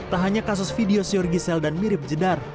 tak hanya kasus video syurgi sela dan mirip jedar